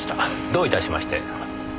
どういたしまして。